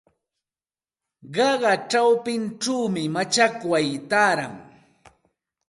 Qaqa chawpinchawmi machakway taaran.